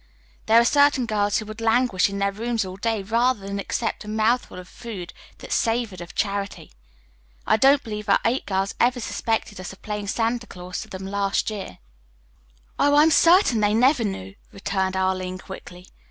There are certain girls who would languish in their rooms all day, rather than accept a mouthful of food that savored of charity. I don't believe our eight girls ever suspected us of playing Santa Claus to them last year." "Oh, I am certain they never knew," returned Arline quickly.